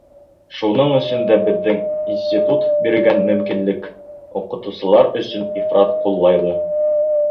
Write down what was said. Шуның өсөн дә беҙҙең институт биргән мөмкинлек уҡытыусылар өсөн ифрат ҡулайлы.